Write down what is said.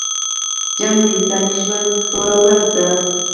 جګړه د انساني ژوند توره ورځ ده